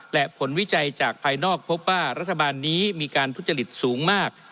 และผลวิจัยจากภายนอกพบว่ารัฐบาลนี้มีการทุจริตสูงมาก